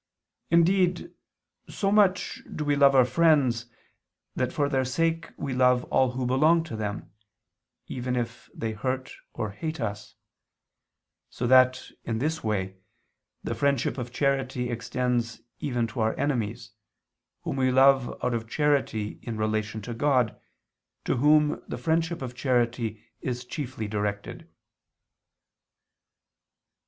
Indeed so much do we love our friends, that for their sake we love all who belong to them, even if they hurt or hate us; so that, in this way, the friendship of charity extends even to our enemies, whom we love out of charity in relation to God, to Whom the friendship of charity is chiefly directed.